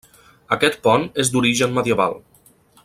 Aquest pont és d'origen medieval.